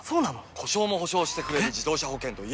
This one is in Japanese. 故障も補償してくれる自動車保険といえば？